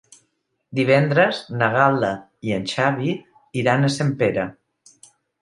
Divendres na Gal·la i en Xavi iran a Sempere.